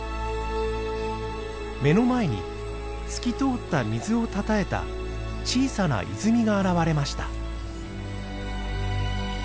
目の前に透き通った水をたたえた小さな泉が現れました。